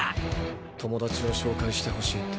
友達を紹介してほしいって。